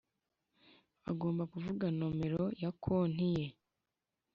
agomba kuvuga nomero ya konti ye